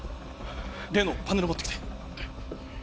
例のパネル持ってきて。